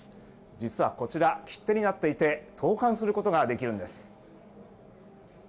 実はこちら、切手になっていて投かんすることができるんです。